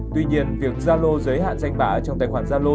tuy nhiên việc zalo giới hạn danh bá trong tài khoản zalo